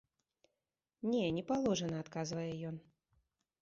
Не, не паложана, адказвае ён.